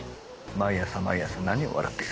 毎朝毎朝何を笑っている？